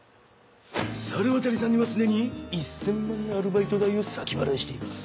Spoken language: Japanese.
猿渡さんにはすでに１千万のアルバイト代を先払いしています。